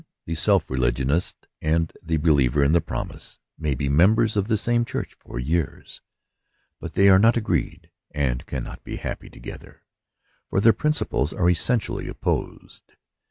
The self religionist and the believer in the promise may be mem ^ bers of the same church for years, but they are not agreed, and cannot be happy together, for their principles are essentially opposed.